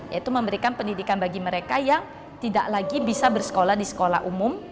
yaitu memberikan pendidikan bagi mereka yang tidak lagi bisa bersekolah di sekolah umum